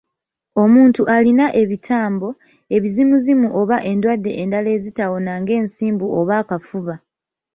Omuntu alina ebitambo, ebizimuzimu oba endwadde endala ezitawona ng’ensimbu oba akafuba.